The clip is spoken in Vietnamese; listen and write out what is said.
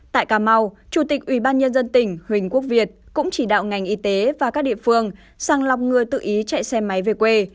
tại cà mau chủ tịch ủy ban nhân dân tỉnh huỳnh quốc việt cũng chỉ đạo ngành y tế và các địa phương sàng lọc người tự ý chạy xe máy về quê